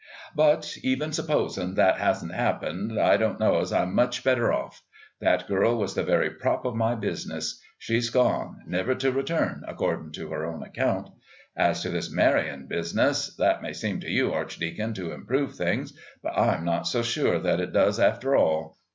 But even supposin' that 'asn't happened, I don't know as I'm much better off. That girl was the very prop of my business; she's gone, never to return, accordin' to her own account. As to this marryin' business, that may seem to you, Archdeacon, to improve things, but I'm not so sure that it does after all.